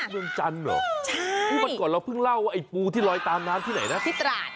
เมืองจันทร์เหรอใช่นี่วันก่อนเราเพิ่งเล่าว่าไอ้ปูที่ลอยตามน้ำที่ไหนนะที่ตราด